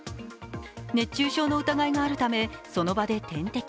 熱中症の疑いがあるためその場で点滴。